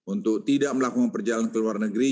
untuk tidak melakukan perjalanan ke luar negeri